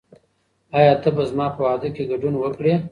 آیا ته به زما په واده کې ګډون وکړې؟